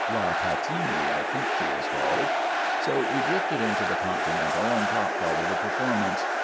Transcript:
La Pattini, I think she is called." So we drifted into the Continental and caught part of the performance.